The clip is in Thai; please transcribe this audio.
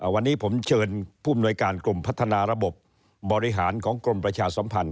วันนี้ผมเชิญผู้อำนวยการกลุ่มพัฒนาระบบบบริหารของกรมประชาสัมพันธ